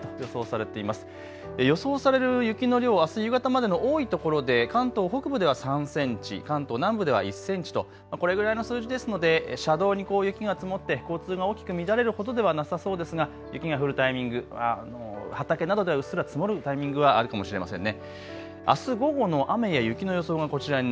予想される雪の量、あす夕方までの多いところで関東北部では３センチ、関東南部では１センチとこれぐらいの数字ですので車道に雪が積もって交通が大きく乱れるほどではなさそうですが雪が降るタイミング、畑などではうっすら積もるタイミングはあるかもしれませんね。